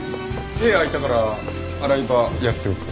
手空いたから洗い場やっておく。